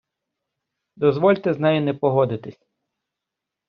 Дозвольте з нею не погодитись.